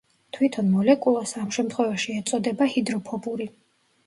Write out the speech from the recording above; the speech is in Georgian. თვითონ მოლეკულას ამ შემთხვევაში ეწოდება ჰიდროფობური.